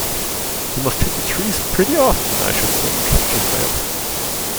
‘You must hit the trees pretty often, I should think,’ she said.